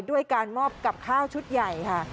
ด้วยการมอบกับข้าวชุดใหญ่ค่ะ